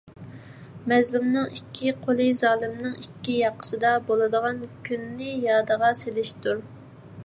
مەزلۇمنىڭ ئىككى قولى زالىمنىڭ ئىككى ياقىسىدا بولىدىغان كۈننى يادىغا سېلىشتۇر.